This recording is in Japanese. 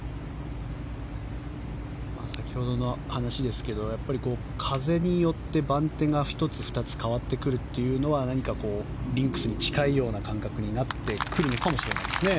先ほどの話ですけれども風によって番手が１つ２つ変わってくるというのは何かリンクスに近い感覚になってくるかもしれないですね。